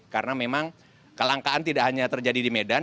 karena memang kelangkaan tidak hanya terjadi di medan